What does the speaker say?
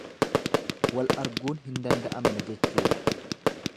Wal arguun hin danda'amne jechuufi.